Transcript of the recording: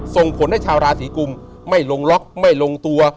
ส่งผลให้ชาวราศีกุมไม่ลงล็อกไม่ลงตัว